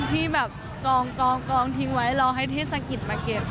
ที่แบบกองทิ้งไว้รอให้เทศกิจมาเก็บ